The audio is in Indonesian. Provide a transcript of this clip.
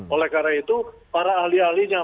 oleh karena itu para ahli ahlinya